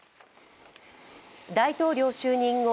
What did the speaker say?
大統領就任後